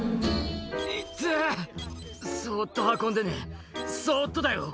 「痛ってぇ」「そっと運んでねそっとだよ」